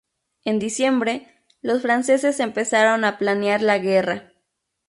En diciembre, los franceses empezaron a planear la guerra.